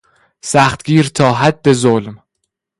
سختگیر تا حد ظلم